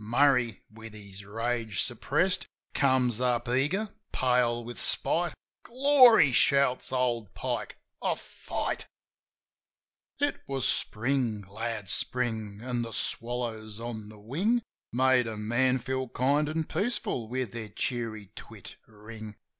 Murray, with his rage suppressed, Comes up eager, pale with spite. "Glory!" shouts old Pike. "A fight!" 33 JIM OF THE HILLS It was Spring, glad Spring, an' the swallows on the wing Made a man feel kind an' peaceful with their cheery twittering.